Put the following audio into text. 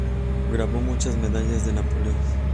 Grabó muchas medallas de Napoleón.